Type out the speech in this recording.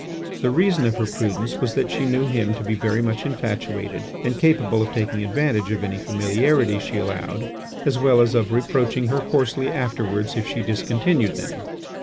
The reason of her prudence was that she knew him to be very much infatuated and capable of taking advantage of any familiarities she allowed as well as of reproaching her coarsely afterwards if she discontinued them.